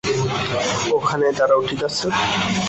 ওখানেই দাঁড়াও, ঠিক আছে?